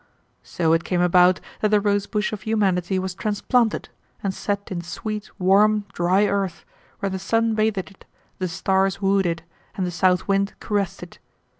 So it came about that the rosebush of humanity was transplanted, and set in sweet, warm, dry earth, where the sun bathed it, the stars wooed it, and the south wind caressed it.